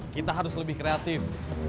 kita harus lebih kreatif